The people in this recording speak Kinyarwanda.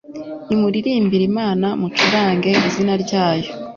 nimuririmbire imana, mucurange izina ryayo